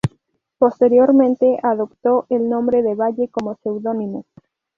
Posteriormente adoptó el nombre del valle como su seudónimo.